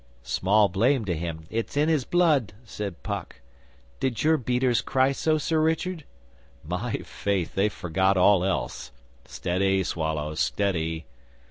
'Small blame to him. It is in his blood,' said Puck. 'Did your beaters cry so, Sir Richard?' 'My faith, they forgot all else. (Steady, Swallow, steady!)